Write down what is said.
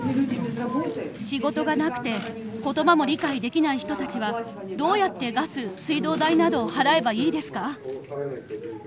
仕事がなくて、ことばも理解できない人たちは、どうやってガス・水道代などを払えばいいですか？